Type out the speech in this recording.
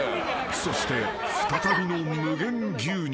［そして再びの無限牛乳］